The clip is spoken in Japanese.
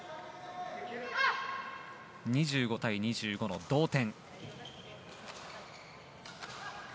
２５対２５の同点。